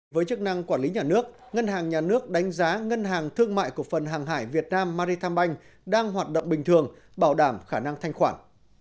với chức năng quản lý nhà nước ngân hàng nhà nước đánh giá ngân hàng thương mại cổ phần hàng hải việt nam maricombank đang hoạt động bình thường bảo đảm khả năng thanh khoản